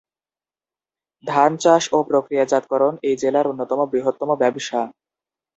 ধান চাষ ও প্রক্রিয়াজাতকরণ এই জেলার অন্যতম বৃহত্তম ব্যবসা।